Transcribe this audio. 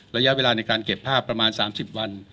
ระยะเวลาในการเก็บภาพประมาณ๓๐วัน